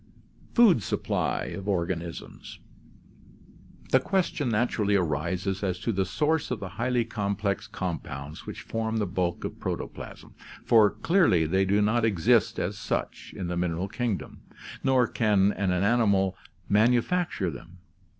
Food Supply of Organisms The question naturally arises as to the source of the highly com plex compounds which form the bulk of protoplasm, for clearly they do not exist as such in the mineral kingdom, nor can an animal manufacture them.